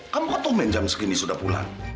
kamu ketumbelin jam segini sudah pulang